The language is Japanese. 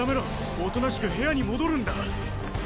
おとなしく部屋に戻るんだ。